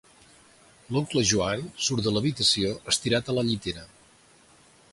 L'oncle Joan surt de l'habitació estirat a la llitera.